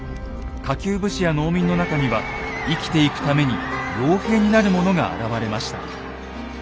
下級武士や農民の中には生きていくために傭兵になる者が現れました。